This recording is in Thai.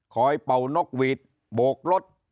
เป่านกหวีดโบกรถ